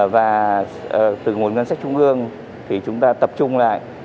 và từ nguồn ngân sách trung ương thì chúng ta tập trung lại